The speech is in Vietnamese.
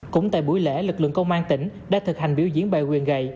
cũng tại buổi lễ lực lượng công an tỉnh đã thực hành biểu diễn bày quyền gậy